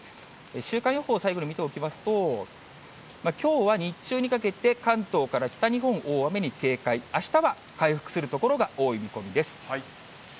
週間予報、最後に見ておきますと、きょうは日中にかけて、関東から北日本、大雨に警戒、あしたは回復する所が多い見込みです。